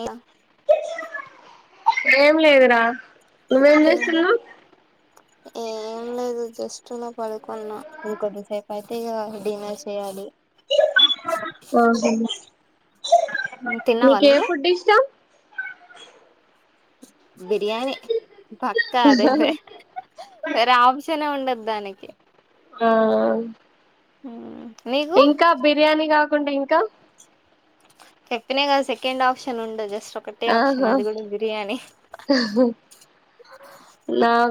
ఇయా ఏం లేదురా నువ్వేం ఏ చేస్తున్నావ్ ఏం లేదు జెస్ట్ ఇలా పడుకున్న ఇంకొద్దిసేపు అయితే ఇక డిన్నర్ చేయాలి ఓ [unintelligible] తిన్నావా నీక ఏ నువ్వు ఫుడ్ ఇష్టం [inaudible] బిర్యానే పక్క అది అయితే వేరే ఆప్షన్ ఉండదూ ధానికి అవునా ఉ ఇంకా బిర్యానీ కాకుండా ఇంకా చెప్పిన కదా సెకండ్ ఆప్షన్ ఉండాది జెస్ట్ ఒక్కటే ఆప్షన్ ఆహా అది కూడా బిర్యానే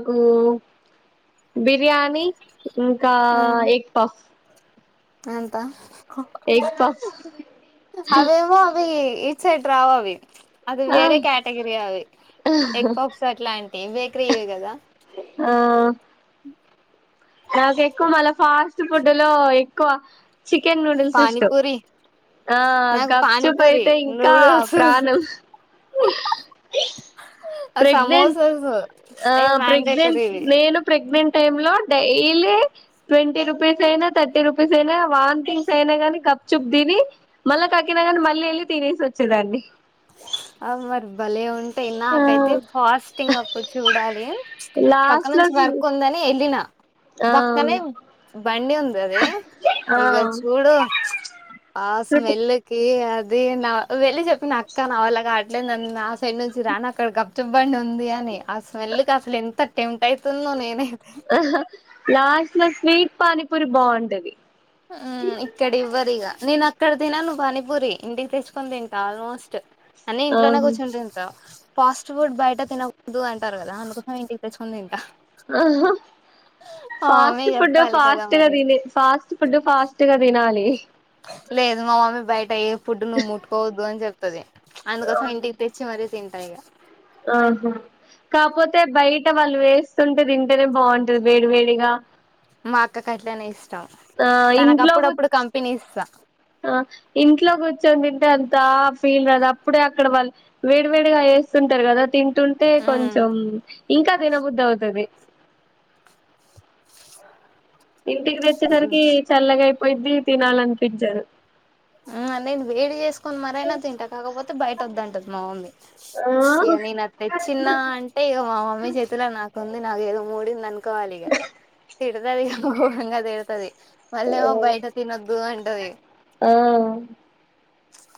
కూ బిర్యానీ ఇంకా ఎగ్ పఫ్స్ అంతా ఎగ్ పఫ్ అవేమా ఆవి ఇ సట్ రావవి అది ఆ వేరే కేటగిరీ అవి ఎగ్ ఫక్స్ అట్లాం నే బేక్రి ఇవ కదా ఆ నాకు ఎక్కువ మళ ఫాస్ట్ ఫుడ్ లో ఎక్కువ చికెన్ నూడిల్స్ ఇష్టం పానీపూరి ఆ నాకు క్యాచూప్ పానీపూరి అయితే ఇంకా నూడిల్స్ ప్రాణం ప్రెగ్నెంట్ సమోసాస్ ఏ వ్యండేటరీ ప్రగ్నెంట్ టై లో డైలీ ట్వంటీ రూపీస్ అయినా థర్టీ రూపీస్ వాంతింగ్స్అయినా గప్ చుప్ తిని మల్ల కక్కిన గాని మల్ల వెళ్లి తిని తినేసి వచ్చేదాన్ని అవు మరి భలే ఉంటే నాకైతే ఫాస్టింగ్ అప్పుడు చూడాలి పక్క లాస్ట్ లో నుంచి వర్క్ ఉందని వెళ్ళిన ఆ బక్కనే బండిఉంది ఆ ఇ చూడు ఆ స్మెల్కికీ ఏ అది నా వెళ్ళి చెప్పి నాకు కానీ అవలా కా అట్లేదు ఆ సైడ్ నుంచి రాని అక్కడ గప్ చిప్పల బండి ఉంది అని ఆ స్మెల్ కి అసలు ఎంత టెంట్ అవుతుందో నేనే లాస్ట్ లో స్వీట్ పనీపురి బాగుంటది ఇక్కడ ఇవ్వరుక నేను అక్కడ తినను పానీపూరి ఇంటికి తెచ్చుకొని తింటా లాస్ట్ అని ఇంట్లోనే ఆహా కూర్చుంట ఉంటావు ఫాస్ట్ ఫుడ్ బయట తినకూద్దు అంటారు కదా అందుకోసం ఇంటికి తెచ్చుకుని తింట మమ్మీ ఫాస్ట్ ఫుడ్ చెప్పాలి కదా ఫాస్ట్ గా మరి దిని ఫాస్ట్ ఫుడ్ ఫాస్ట్ గా దినాలి లేదు మా మమ్మీ బయట ఏ ఫుడ్ నువ్వు ముట్టుకోవద్దు అని చెప్తది అందుకోసం అవును ఇంటికి తెచ్చి మరీ తింటా ఇగ ఆహా కాపోతే బయట వాళ్ళు వేస్తుంటే తింటేనే బాగుంటది వేడి వేడిగా మా అక్క కట్లనే ఇష్టం ఆ ఇంట్లో కు తనకుప్పుడప్పుడు కంపెనీ ఇస్తాం ఆ ఇంట్లో కూర్చొని తింటే అంత ఫీల్ రాదు అప్పుడే అక్కడ వాళ్ళు వేడి వేడిగా వేస్తుంటారు కదా తిన్ టుంటే కొంచం మ్మ్ ఇంకా తినబుద్ధ అవుతది ఇంటికి దెచ్చేసరికి చల్లగా అయిపోయిద్ది తినాలనిపించదు ఆ నేను వేడి జేసుకుని మరైనా తింటా కాకపోతే బయట వద్దంటది మా మమ్మీ ఆ ఇగ ఓహ్! నేను అది తెచ్చిన్నా అంటే ఇగ మా మమ్మీ చేతిలో నాకుంది నాకు ఏదో మూడింది అనుకోవాలి ఇగా డుతది ఇది గోరంగా తిడుతది మల్లేమో ఓహ్! బయట తినొద్దు అంటది ఆ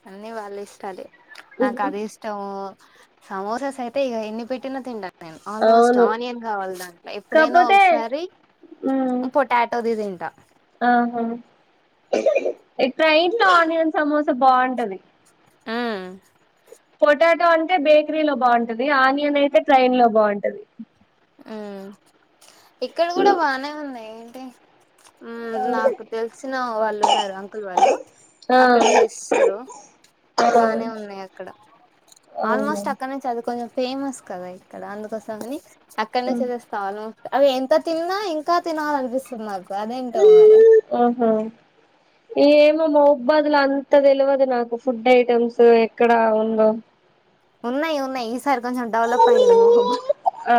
అన్నీ వాళ్ళ ఇష్టాలే నాకు హుహు. అది ఇష్టము సమోసా సైతే ఇగ ఎన్ని పెట్టినా తింటా ఆల్మోస్ట్ అవును ఆనియన్ కావాలి దాంట్లో ఎప్పుడైనా కాపోతే ఒగసారి హ్మ్. పొటాటోది దింటా ఈ ట్రైన్ లో ఆనియన్ సమోసా బావుంటది ఊ పొటాటో అంటే బేకరీ లో బావుంటది ఆనియన్ అయితే ట్రైన్ లో బావుంటది ఊ ఇక్కడ కూడా బానే ఉన్నాయి టీ ఉమ్ నాకు తెలిసిన వాళ్ళు ఉన్నారు అంకుల్ వాళ్ళు ఆ అక్కడ చేస్తారు ఆ బానే ఉన్నాయి అక్కడ అవునా ఆల్మోస్ట్ అక్కడనే చదువుకొనే ఫేమస్ కదా ఇక్కడ అందుకోసమే అక్కడ నుంచే తెస్తాను అవి ఎంత తిన్నా ఇంకా తినాలనిపిస్తుది నాకు అదేంటో మరి ఆహా ఏమో మోబతుల అంత తెలువదు నాకు ఫుడ్ ఐటమ్స్ ఎక్కడ ఉందో ఉన్నాయి ఉన్నాయి ఇస్ సారి కొంచెం డెవలప్ అయిండది మొహం ఆ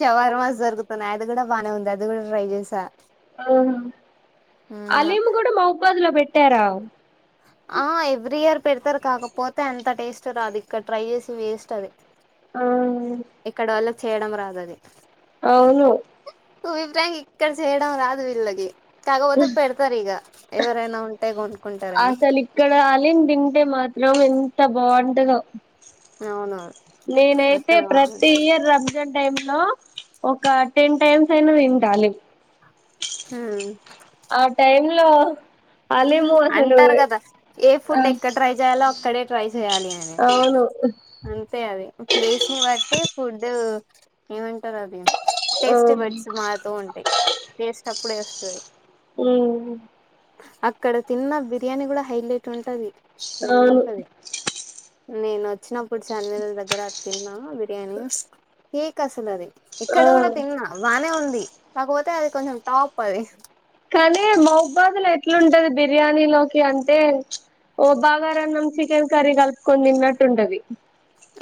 షవర్ మాస్ జరుగు తున్నాయి అది కూడా బానే ఉంది అది కూడా ట్రై చేసా అం ఉమ్ అలీం కూడా మౌబదులో పెట్ టేరావ్ ఆ ఎవ్రీ ఇయర్ పెడతారు కాకపోతే అంత టేస్ట్ రాదు ఇక్కడ ట్రై చేస్తే వేస్ట్ అది ఔను ఇక్కడ వాళ్ళకి చేయడం రాదది అవును టుబి ఫ్రాంక్ ఇక్కడ చేయడం రాదు వీళ్ళకి కాకపోతే పెడతారు ఇగ ఎవరైనా ఉంటే కొనుక్కుంటారని అసలు త బావుంటదో అవునవును నేనైతే అక్కడ ప్రతి బాగుంటది ఇయర్ రంజాన్ టైంలో ఒక టెన్ టైమ్స్ అయినా తింటా అలీమ్ మ్ ఆ టైమ్లో అంటారు కదా ఏ ఫుడ్ ఎక్కడ ట్రై చేయాలో అక్కడే ట్రై చేయాలి అని అవును అ వే అది ప్లేస్ని బట్టి ఫుడ్ ఏమంటారు అది ఆ టేస్టీ బడ్స్ మారుతూ ఉంటాయి టేస్ట్ అప్ అప్పుడే వస్తది. మ్ అక్ డ తిన్న బిర్యానీ గుడా హైలైట్ ఉం టది. సరిమా అవును ఉంటది. నేనో చ్చినప్పుడు చార్మినార్ దగ్గర తిన్నా బిర్యానీ ఫేక్ అసల్ అది ఆ ఇక్కడ కూడా తిన్నా బానే ఉంది. కాకపోతే అది కొంచెం టాప్ అది కానీ మౌబాదులు ఎట్లుంటది బిర్యానీ లోకి అంటే ఓ బాగారన్నం చికెన్ కర్రీ కల్పుకొని తిన్నట్టు ఉంటది.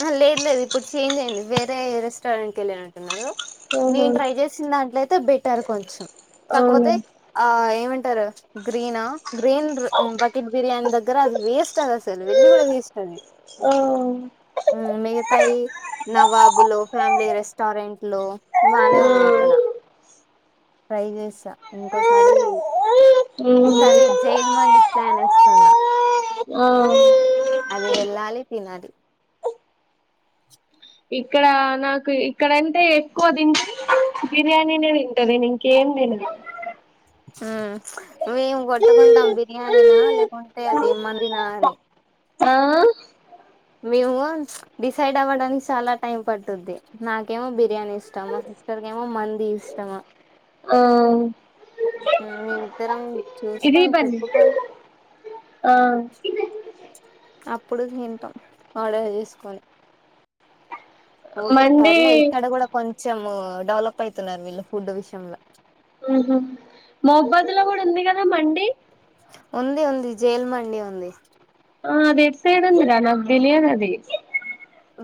ఆ లేదు లేదు ఇప్పుడు చేంజ్ అయింది వేరే రెస్టారెంట్కి వెళ్ళి అంటున్నారు ఆహా నేను ట్రై చేసిన దాంట్లయితే బెట్ టరు కొంచం కాకపోతే అవునా ఆ ఏమం టర్ గ్రీనా గ్రీన్ బకెట్ బిర్యానీ దగ్ దగర అది వేస్ట్ అది అసలు వెళ్లి కూడా వేస్ట్ అది ఆ మిగతాయి నవాబులో ఫ్యామిలీ రెస్టారెంట్ లో బానే ఉన్నాయి అక్కడ ఆ ట్రై చేస్తా ఇంకోసారి ఈసారి జైల్ మండి ప్లాన్ వేస్తున్న ఆ అది వెళ్ళాలి తినాలి. ఇక్కడా నాకు ఇక్కడంటే ఎక్కువ తి బిర్యానీనే తింట నేన్ ఇంకేం తిన. ఆ మేము కొట్టుకుంటాం బిర్యానీనా లేకుంటే అది మందినా అని ఆ మేము డిసైడ్ అవ్వడానికి చాలా టైం పట్టుది. నాకేమో బిర్యానీ ఇష్టం మా సిస్టర్కేమో మంది ఇష్టం ఆ మ్ మేమిద్దరం ఇదీ చూసుకొని బన్ని చెప్పుకొని ఆ అప్పుడు తింటాం ఆర్డర్ చేస్కోని. ఓకే మండి పర్లే ఇక్కడ గుడా కొంచం ఆ డెవలప్ అవుతున్నారు వీళ్ళు ఫుడ్ విషయంలో ఊహు మోగబదులో కూడా ఉంది కదా మండీ ఉంది ఉంది జైల్ మండి ఉంది ఆ అది ఎటు సైడ్ ఉంది రా నాకు తెలియదు అది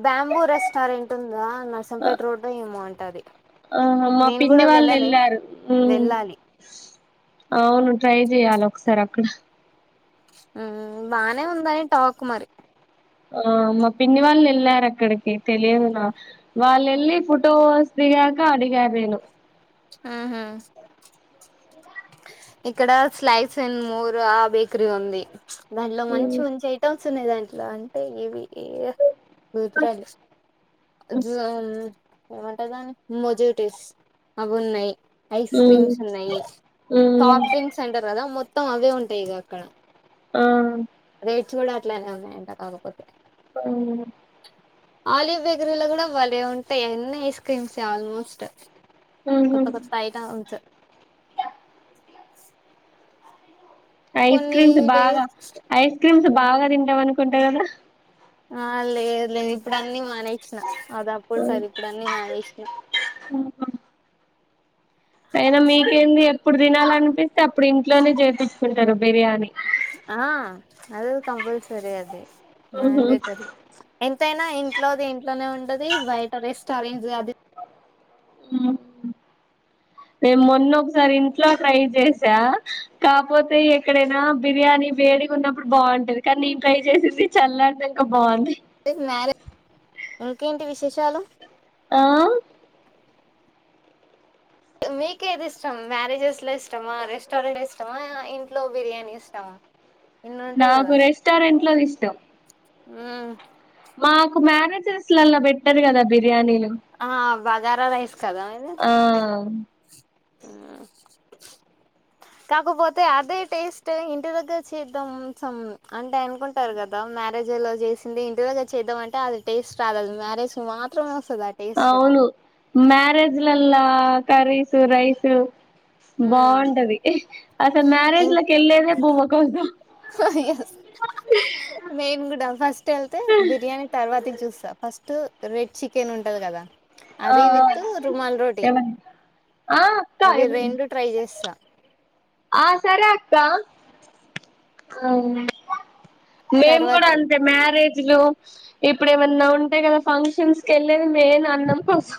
బ్యాంబూ రెస్టారెంట్ ఉందా నరసంపేట రోడ్డో ఏమో అంట అది ఆహా మా పిన్ని వాళ్ళు వెళ్ళారు మ్మ్ వెళ్ళాలి అవును ట్రై చెయ్యాలి ఒకసారి అక్కడ మ్మ్ బానే ఉందని టాక్ మరి ఆ మా పిన్ని వాళ్ళు వెళ్ళారు అక్కడికి తెలియదు నాకు వాళ్ళు ఎల్లి ఫోటోస్ దిగాక అడిగా నేను ఆ హా ఇక్కడ స్లైస్ అండ్ మోర్ ఆ బేకరి ఉంది దానిలో మంచి ఉమ్ మంచి ఐటం మ్స్ ఉన్నాయి దాంట్లో అంటే ఇవి ఇవి [inaudible] ఏమంటరు దాన్ని మొజోటిస్ అవున్నాయి ఐస్ ఉమ్ క్రీమ్స్ ఉన్నాయి ఉమ్, సాఫ్ట్ డ్రింక్స్ సెంటరు కదా మొత్ త్తం అవే ఉంటాయి ఇగ అక్కడ ఆ రేట్స్ కూడ అట్లనే ఉన్నాయంట కాకపోతే హ్మ్ ఆలివ్ బేకరీలో కూడ బలే ఉంటాయి అన్ని ఐస్ క్రీమ్సే ఆల్మోస్ట్ ఉహు కొత్త కొత్త ఐటమ్స్ ఐస్ కొన్ని క్రీమ్స్ బాగా డేస్ ఐస్ క్రీమ్ బాగ తింటావనుకుంట కదా ఆ లేదు లేదు ఇప్పుడు అన్నీ మానేసిన అది అప్పుడు సార్ ఇప్పుడు అన్నీ మానేసినా అవున అయినా మీకేంది ప్పుడు తినాలనిపిస్తే అప్పుడు ఇంట్లోనే చేపించుకుంటారు బిర్యానీ ఆ అదై కంపల్సరి అది ఉహు ఎంతైనా ఇంట్లోది ఇంట్లోనే ఉం టది బయట రెస్టారెంట్స్ అది మ్మ్ నేను మొన్న ఒకసారి ఇంట్లో ట్రై చేశా, కాపోతే ఎక్కడైనా బిర్యానీ వేడిగా ఉన్నప్పుడు బాగుంటది, కానీ నేను ట్రై చేసింది చల్లారినంక బాగుంది. మ్యారేజ్ ఇంకేంటి విశేషాలు ఆ మీకేది ఇష్టం మ్యారేజెస్ లో ఇష్టమా, రెస్టారెంట్ ఇష్టమా, ఇంట్లో బిర్యానీ ఇష్టమా ఇన్ని ఉంటాయి నాకు రెస్టారెంట్ లోది ఇష్టం ఆ మాకు మ్యారేజెస్ లల్లా బెట్టరు కదా బి ఆ బగర రైస్ కదా మిది ఆ కాకపోతే అదే టేస్ట్ ఇంటి దగ్గర చేద్దాం అంటే అనుకుంటారు కదా మ్యారేజ్లో చేసింది ఇంటి దగ్గర చేద్దాం అంటే అది టేస్ట్ రాదది మ్యారేజ్ మాత్రమే వస్తదది అవును మ్యారేజ్లలా కర్రీసు రైసు అసలు మ్యారేజ్ ఇం లకి వెళ్ళేదే బువ్వ కోసం నేన్ కూడా ఫస్ట్ వెళ్తే బిర్యానీ తర్వాతే చూస్తా ఫస్ట్ రెడ్ చికెన్ ఉంటది కదా అది విత్ రుమాల్ రోటీ అవి రెండు [unintelligible] ట్రై చేస ఆ సరే అత్తా మేము కూడ తర్వాతకి అంతే మ్యారేజ్లు ఇప్పుడు ఏమన్నా ఉంటే కదా ఫంక్షన్స్కి వెళ్ళేది మేన్ అన్నం కోసం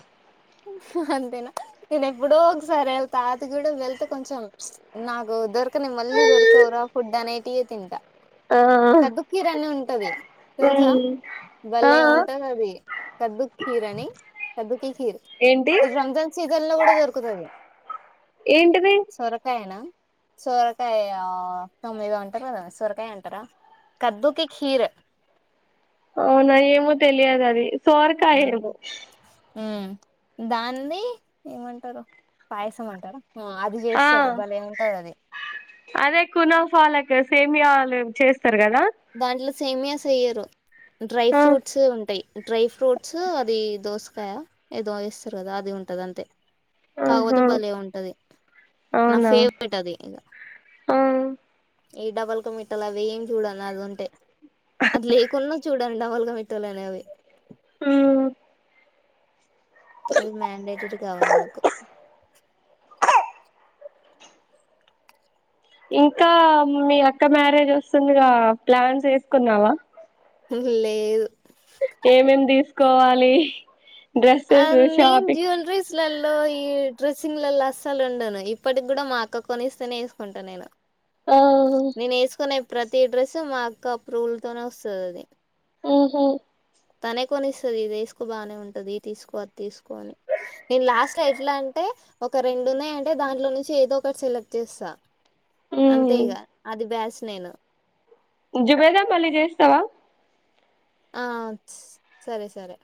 అంతేన నేను ఎప్పుడో ఒకసారి ఎల్త ఆది కూడ వెళ్తే కొంచెం నాకు దొరకని మళ్ళీ దొరకవురా ఫుడ్ అనేటియే తింట ఆ కదు కీర అని ఉంటది తెలుసా ఆ భళే ఉంటది అది కద్దు కీర అని కద్దుకి కీర్ ఏంటి ఇది రంజాన్ సీజన్ లో కూడ దొరుకుతుంది ఏంటిది సొరక రకాయనా సోరకాయ ఏదో అంటారు కద సొరకాయే అంటార కద్దుకి కీర్ అవునా ఏమో తెలియదు అది ఆ, సొరకాయ్ ఏమో దాన్ని ఏమంటారో పాయసం అంటార ఆ అదే కునఫ్ఫా లేకి ఎస్ సేమియలు చేస్ తారు కదా దాంట్లో సేమియాస్ ఎయ్యరు డ్రై ఆ ఫ్రూట్ సు ఉంటాయి డ్రై ఫ్రూట్స్ అది దోసకాయ ఏదో ఎస్తారు కదా అది ఉంటది అంతే కాకపోతే ఆహా బలే ఉంటది నా అవునా ఫేవరెట్ అది ఇగ ఆ ఈ డబల్ కమిటలు అవి ఏం చూడను అదుంటే అది లేకున్నా చూడండి డబుల్ కమిట్ [unintelligible] ఆ అది మండేటరి కావలి నాకు ఇంకా మీ అక్క మ్యారేజ్ వస్తుందిగా ప్లాన్స్ ఏసుకున్నావ లేదు ఏమేం తీసుకోవాలి అ డ్రెస్సెస్ నీన్ షాపింగ్ జ్యవెలరీస్ లల్లో ఈ డ్రస్సింగ్ లలో అస్సలు ఉండను ఇప్పటికి కూడ మా అక్క కొనిస్తేనే వేసుకుంట నేను ఆ నేను వేసుకునే ప్రతి డ్రెస్సు మాకు అప్రూవుల్ తోనే వస్తుంది అది ఆహ తనే కొనిస్తుంది ఇది వేసుకో బాగానే ఉంటది తీసుకో అది తీసుకో అని నేను లాస్ట్ అంతే ఇగ అది బ్యాస్ నేను జుబేదా మళ్ళీ చేస్తావా ఆ సరే సరే